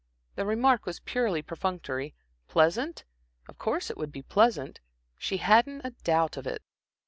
The remark was purely perfunctory. Pleasant? Of course it would be pleasant she hadn't a doubt of it.